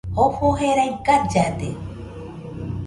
Jofo jerai gallade